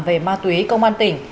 về ma túy công an tỉnh